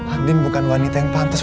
andin bukan wanita yang pantas